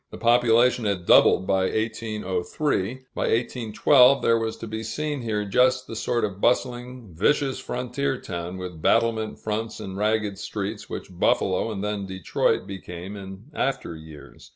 The population had doubled by 1803. By 1812 there was to be seen here just the sort of bustling, vicious frontier town, with battlement fronts and ragged streets, which Buffalo and then Detroit became in after years.